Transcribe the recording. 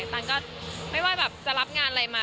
ตันก็ไม่ว่าแบบจะรับงานอะไรมา